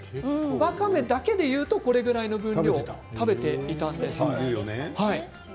わかめだけでいうとこれぐらいの量を食べていたんです。